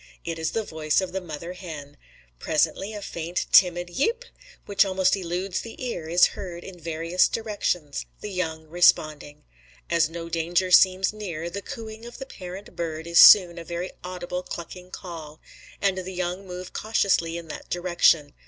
It is the voice of the mother hen. Presently a faint timid "Yeap!" which almost eludes the ear, is heard in various directions, the young responding. As no danger seems near, the cooing of the parent bird is soon a very audible clucking call, and the young move cautiously in that direction.